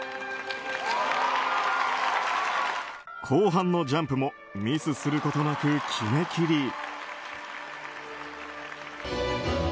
後半のジャンプもミスすることなく決め切り。